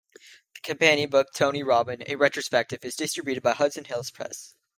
The companion book "Tony Robbin, A Retrospective" is distributed by Hudson Hills Press.